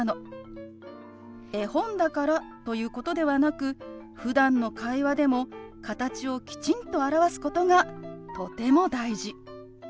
絵本だからということではなくふだんの会話でも形をきちんと表すことがとても大事。